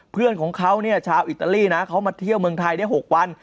เพื่อนของเขาเนี่ยชาวอิตาลีนะเขามาเที่ยวเมืองไทยได้๖วัน